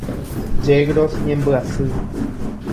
Yegros ñembyasy.